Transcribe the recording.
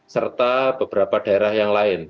serta beberapa daerah yang lain